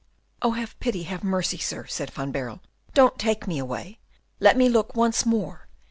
"Oh, have pity, have mercy, sir!" said Van Baerle, "don't take me away! Let me look once more!